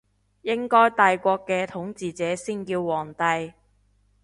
應該帝國嘅統治者先叫皇帝